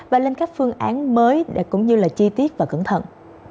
và lên các phương án mới cũng như là chi tiết và cẩn thận